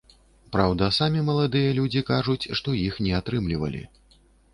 Праўда, самі маладыя людзі кажуць, што іх не атрымлівалі.